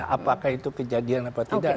apakah itu kejadian apa tidak